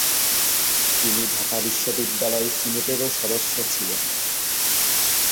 তিনি ঢাকা বিশ্ববিদ্যালয় সিনেটেরও সদস্য ছিলেন।